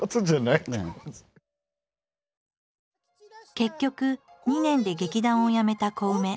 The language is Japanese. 結局２年で劇団をやめたコウメ。